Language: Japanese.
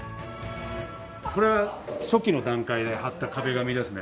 これ初期の段階で張った壁紙ですね。